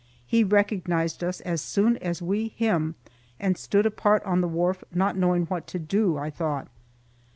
He recognized us as soon as we him, and stood apart on the wharf not knowing what to do, I thought.